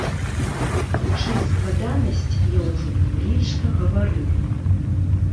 У чым складанасць, я ўжо публічна гаварыў.